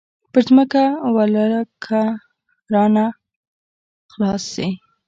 پر ځمکه ولله که رانه خلاص سي.